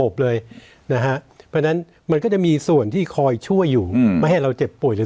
ส่วนมากติดตัวไหนฮะ